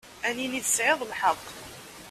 Ad nini tesεiḍ lḥeqq.